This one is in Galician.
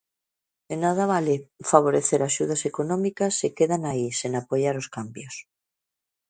De nada vale favorecer axudas económicas se quedan aí, sen apoiar os cambios.